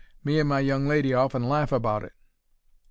Me and my young lady often laugh about it."